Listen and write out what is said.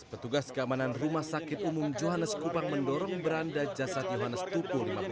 petugas keamanan rumah sakit umum johannes kupang mendorong beranda jasad johannes tupul